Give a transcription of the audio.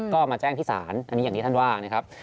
ก็มาแจ้งที่ศาลอันนี้อย่างที่ท่านว่านะครับ